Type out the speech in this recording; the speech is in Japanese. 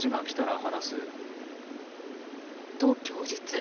と、供述。